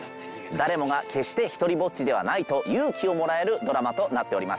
誰もが決してひとりぼっちではないと勇気をもらえるドラマとなっております